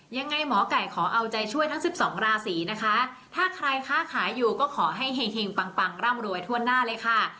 ยังไงหมอไก่ขอเอาใจช่วยทั้ง๑๒ราศีนะคะถ้าใครค้าขายอยู่ก็ขอให้เห็งปังปังร่ำรวยทั่วหน้าเลยค่ะ